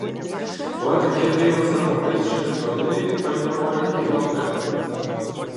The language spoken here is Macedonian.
Мојата ќерка има само пет-шест години, па има повеќе кила од него.